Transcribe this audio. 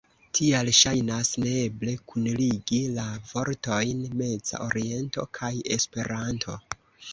Tial ŝajnas neeble kunligi la vortojn “Meza Oriento” kaj “Esperanto”.